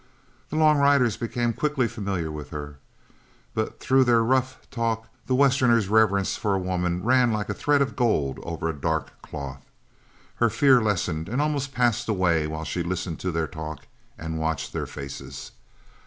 The long riders became quickly familiar with her, but through their rough talk, the Westerners' reverence for a woman ran like a thread of gold over a dark cloth. Her fear lessened and almost passed away while she listened to their talk and watched their faces.